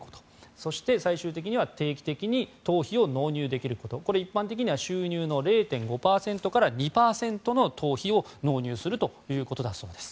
そして、最終的には定期的に党費を納入できることこれ、一般的には収入の０．５％から２％の党費を納入するということだそうです。